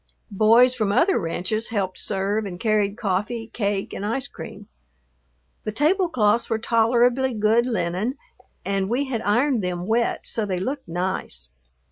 Boys from other ranches helped serve and carried coffee, cake, and ice cream. The tablecloths were tolerably good linen and we had ironed them wet so they looked nice.